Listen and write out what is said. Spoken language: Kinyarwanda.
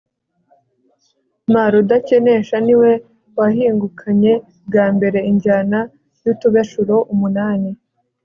m. rudakenesha ni we wahingukanyebwambere injyana y'utubeshuro umunani